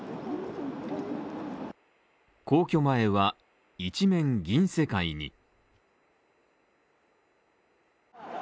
皇居前は一面、銀世界に。